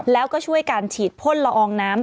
แล้วก็ช่วยการฉีดพ่นละอองน้ำ